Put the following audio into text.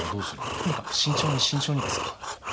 とにかく慎重に慎重にですか？